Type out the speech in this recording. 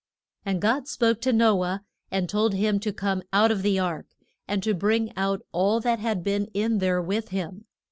And God spoke to No ah and told him to come out of the ark, and to bring out all that had been in there with him.